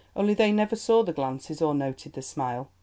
Only they never saw the glances or noted the smile.